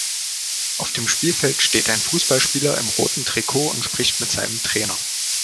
Auf dem Spielfeld steht ein Fussballspieler im roten Trikot und spricht mit seinem Trainer.